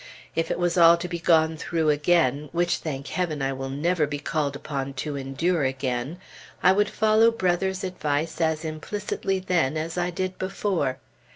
If it was all to be gone through again (which thank Heaven, I will never be called upon to endure again), I would follow Brother's advice as implicitly then as I did before.